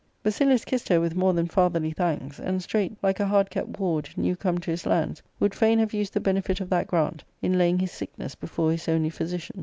Basilius kissed her with 'more than fatherly thanks, and straight, like a hard kept ward new come to his lands, would fain have used the benefit of that grant in laying his sick ness before his only physician.